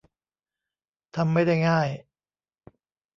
ทำไม่ได้ง่าย